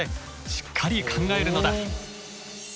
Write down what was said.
しっかり考えるのだ！